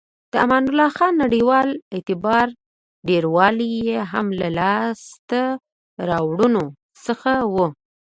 د امان الله خان نړیوال اعتبار ډیروالی یې هم له لاسته راوړنو څخه و.